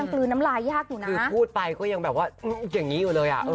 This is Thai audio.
คือพูดไปก็ยังแบบว่าอย่างงี้อยู่เลยอ่ะ